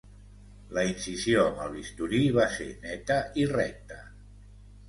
La incisió amb el bisturí va ser neta i recta.